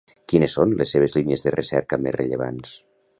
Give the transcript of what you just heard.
Quines són les seves línies de recerca més rellevants?